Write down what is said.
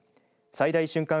最大瞬間